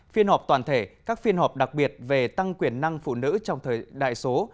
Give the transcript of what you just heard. phiên họp toàn thể các phiên họp đặc biệt về tăng quyền năng phụ nữ trong thời đại số